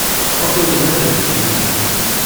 What will the weather be in Rwanda?